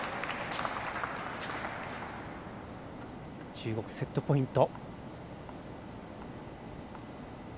中国、セットポイント。